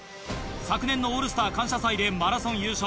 昨年の『オールスター感謝祭』でマラソン優勝。